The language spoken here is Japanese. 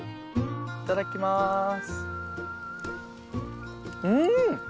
いただきますうん！